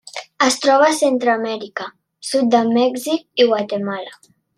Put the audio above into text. Es troba a Centreamèrica: sud de Mèxic i Guatemala.